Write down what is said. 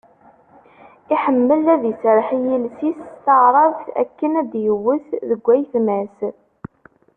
Iḥemmel ad iserreḥ i yiles-is s taɛrabt akken ad d-iwet deg ayetma-s.